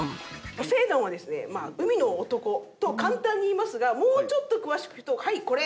ポセイドンはですね「海の男」と簡単に言いますがもうちょっと詳しく言うとはいこれ。